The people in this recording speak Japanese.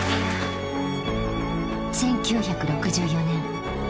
１９６４年。